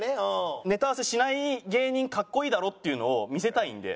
「ネタ合わせしない芸人格好いいだろ？」っていうのを見せたいんで。